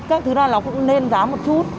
các thứ này nó cũng lên giá một chút